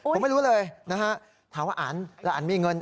ผมไม่รู้เลยนะฮะถามว่าอันแล้วอันมีเงิน